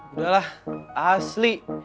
udah lah asli